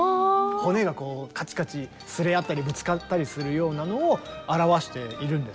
骨がカチカチ擦れ合ったりぶつかったりするようなのを表しているんですね。